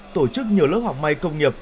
tổ chức nhiều lớp học mày công nghiệp